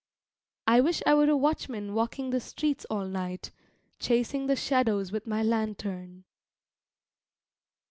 I wish I were a watchman walking the streets all night, chasing the shadows with my lantern.